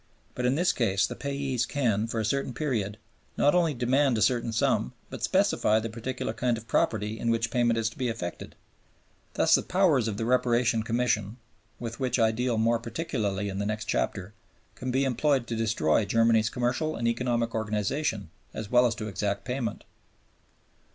But in this case the payees can (for a certain period) not only demand a certain sum but specify the particular kind of property in which payment is to be effected. Thus the powers of the Reparation Commission, with which I deal more particularly in the next chapter, can be employed to destroy Germany's commercial and economic organization as well as to exact payment.